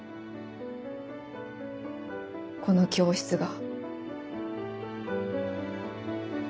この教室が。